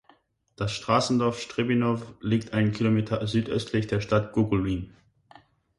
Das Straßendorf Strebinow liegt ein Kilometer südöstlich der Stadt Gogolin.